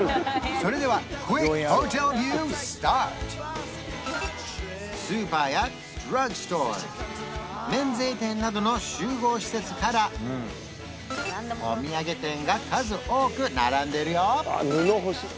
それではスーパーやドラッグストア免税店などの集合施設からお土産店が数多く並んでるよ